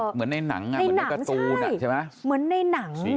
เหมือนในหนังในหนังใช่ไหมเหมือนในหนังไง